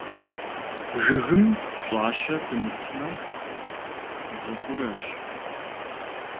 Жыгым пщӀащэ пымытмэ, зы къурэщ.